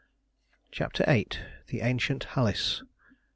CHAPTER VIII. THE ANCIENT HALYS.